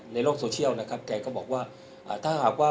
ในโลกโซเชียลนะครับแกก็บอกว่าถ้าหากว่า